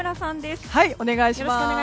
お願いします。